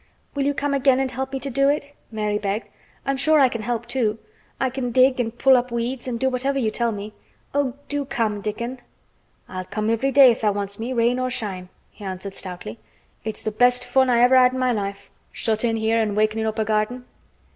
"Will you come again and help me to do it?" Mary begged. "I'm sure I can help, too. I can dig and pull up weeds, and do whatever you tell me. Oh! do come, Dickon!" "I'll come every day if tha' wants me, rain or shine," he answered stoutly. "It's the best fun I ever had in my life—shut in here an' wakenin' up a garden."